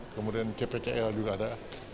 kemudian kpkl juga ada